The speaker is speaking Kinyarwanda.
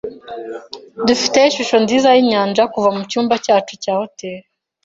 Dufite ishusho nziza yinyanja kuva mucyumba cyacu cya hoteri.